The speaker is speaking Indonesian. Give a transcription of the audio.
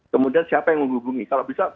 kemudian siapa yang menghubungi kalau bisa